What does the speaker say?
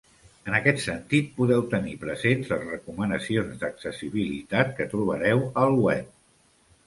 En aquest sentit, podeu tenir presents les recomanacions d'accessibilitat que trobareu al web.